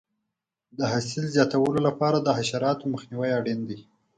د حاصل د زیاتوالي لپاره د حشراتو مخنیوی اړین دی.